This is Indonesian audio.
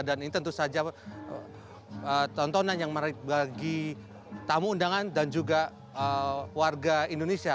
dan ini tentu saja tontonan yang menarik bagi tamu undangan dan juga warga indonesia